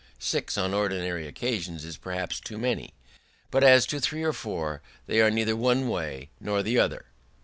Six on ordinary occasions is perhaps too many; but as to three or four, they are neither one way nor the other."